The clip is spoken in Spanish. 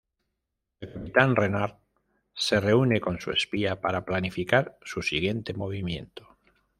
El capitán Renard se reúne con su espía para planificar su siguiente movimiento.